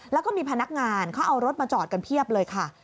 แล้วก็มีพนักงานเขาเอารถมาจอดกันเพียบเลยค่ะ